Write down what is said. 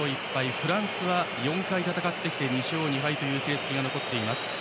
フランスは４回戦ってきて２勝２敗という成績が残っています。